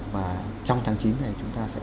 và trong tháng chín này chúng ta sẽ